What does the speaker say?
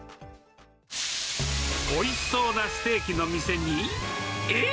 おいしそうなステーキの店に、えっ？